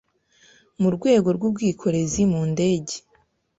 mu rwego rw'ubwikorezi mu ndege.